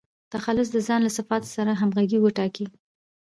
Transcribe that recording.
تخلص د ځان له صفاتو سره همږغي وټاکئ.